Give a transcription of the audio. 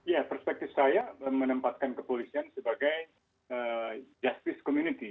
ya perspektif saya menempatkan kepolisian sebagai justice community